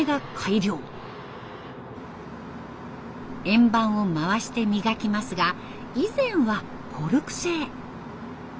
円盤を回して磨きますが以前はコルク製。